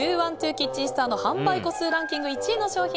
キッチンストアの販売個数ランキング１位の商品